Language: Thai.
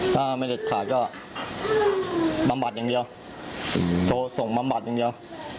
ถ้าไม่เด็ดขาดก็บำบัดอย่างเดียวโทรส่งบำบัดอย่างเดียว